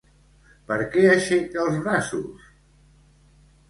Per què aixeca els braços?